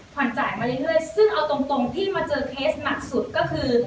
ขวัญจ่ายมาเรื่อยซึ่งเอาตรงที่มาเจอเคสหนักสุดก็คือ